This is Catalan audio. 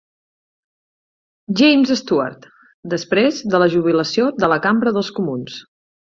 James Stuart després de la seva jubilació de la Cambra dels Comuns.